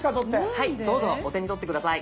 はいどうぞお手に取って下さい。